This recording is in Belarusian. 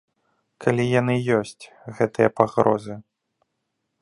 Калі яны ёсць, гэтыя пагрозы.